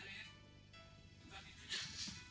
tidak ada yang lebih terhubungi